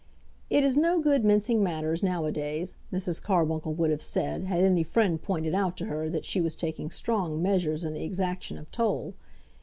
"It is no good mincing matters now a days," Mrs. Carbuncle would have said, had any friend pointed out to her that she was taking strong measures in the exaction of toll.